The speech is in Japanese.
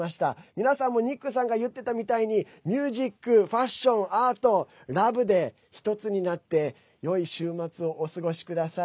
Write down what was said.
皆さんもニックさんが言ってたみたいにミュージック、ファッションアート、ラブで１つになってよい週末をお過ごしください。